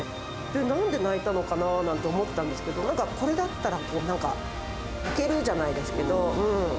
なんで泣いたのかななんて思ったんですけど、なんかこれだったら、なんか、いけるじゃないですけど、うん。